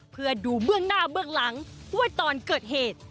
เพื่อดูเบื้องหน้าเบื้องหลังว่าตอนเกิดเหตุ